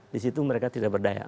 disitu mereka tidak berdaya